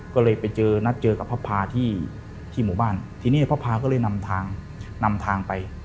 ก็เลยไปเจอนัดเจอกับพระพาที่หมู่บ้านทีนี้พระพาก็เลยนำทางนำทางไป